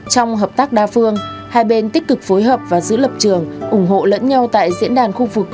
trong hợp tác đa phương hai bên tích cực phối hợp và giữ lập trường ủng hộ lẫn nhau tại diễn đàn khu vực